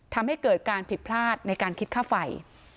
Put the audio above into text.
ทำให้เกิดการผิดพลาดในการคิดค่าไฟ